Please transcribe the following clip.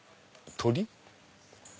鳥？